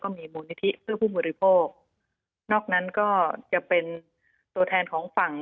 มีมูลนิธิเพื่อผู้บริโภคนอกนั้นก็จะเป็นตัวแทนของฝั่ง